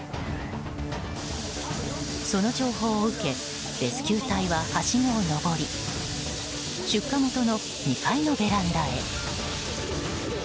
その情報を受け、レスキュー隊ははしごを上り出火元の２階のベランダへ。